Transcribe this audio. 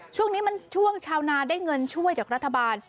ช่วงนี้มันช่วงชาวนาได้เงินช่วยจากรัฐบาล